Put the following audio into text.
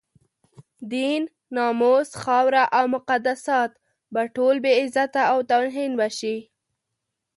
دين، ناموس، خاوره او مقدسات به ټول بې عزته او توهین به شي.